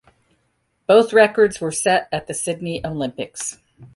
Both records were set at the Sydney Olympics.